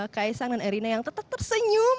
kaisang dan erina yang tetap tersenyum